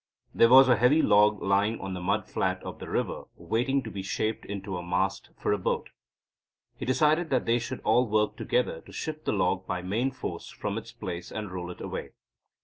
There was a heavy log lying on the mud flat of the river waiting to be shaped into a mast for a boat. He decided that they should all work together to shift the log by main force from its place and roll it away.